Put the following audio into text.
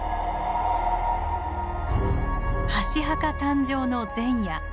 箸墓誕生の前夜。